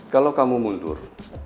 kalau kamu mundur